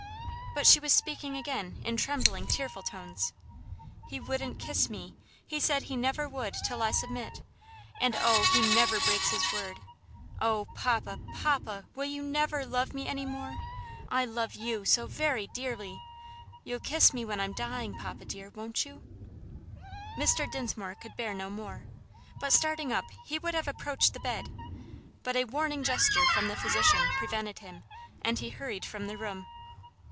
But she was speaking again in trembling, tearful tones: "He wouldn't kiss me! he said he never would till I submit; and oh! he never breaks his word. Oh! papa, papa, will you never love me any more? I love you so very dearly. You'll kiss me when I'm dying, papa dear, won't you?" Mr. Dinsmore could bear no more, but starting up he would have approached the bed, but a warning gesture from the physician prevented him, and he hurried from the room.